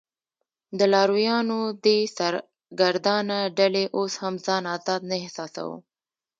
د لارویانو دې سرګردانه ډلې اوس هم ځان آزاد نه احساساوه.